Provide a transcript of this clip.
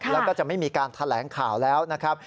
แล้วก็จะไม่มีการแถลงข่าวแล้วนะครับ